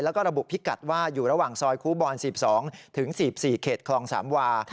แล้วก็ระบุพิกัดว่าอยู่ระหว่างซอยครูบอล๑๒ถึง๔๔เขตคลองสามวา